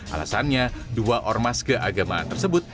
alasannya dua ormas keagamaan tersebut